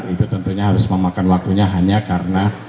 itu tentunya harus memakan waktunya hanya karena